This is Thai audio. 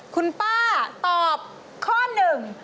คุณป้าตอบข้อหนึ่ง